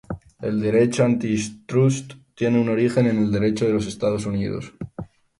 El derecho antitrust tiene su origen en el Derecho de los Estados Unidos.